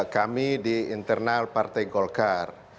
kami di internal partai golkar